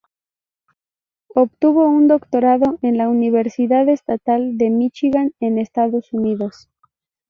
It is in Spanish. Obtuvo un doctorado en la Universidad Estatal de Míchigan, en Estados Unidos.